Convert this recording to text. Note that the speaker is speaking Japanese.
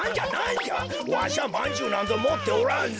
わしはまんじゅうなんぞもっておらんぞ。